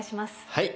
はい。